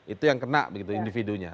itu yang kena begitu individunya